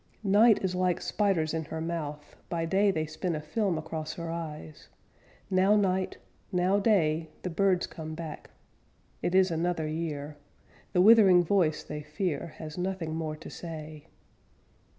_ Night is like spiders in her mouth; By day they spin a film across her eyes. _Now night; now day _ The birds come back; It is another year: The withering voice they fear _Has nothing more to say.